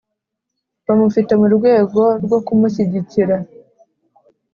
bamufite mu rwego rwo kumushyigikira